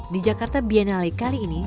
di jakarta biennale kali ini